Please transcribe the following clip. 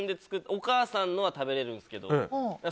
お母さんのは食べれるんですけど。